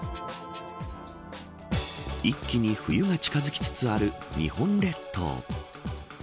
一気に冬が近づきつつある日本列島。